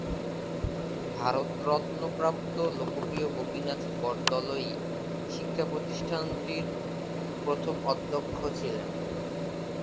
ভারত রত্ন প্রাপ্ত লোকপ্রিয় গোপীনাথ বরদলৈ শিক্ষা প্রতিষ্ঠানটির প্রথম অধ্যক্ষ ছিলেন।